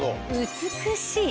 美しい。